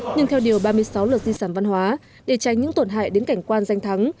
nhưng theo điều ba mươi sáu luật di sản văn hóa để tránh những tổn hại đến cảnh quan danh thắng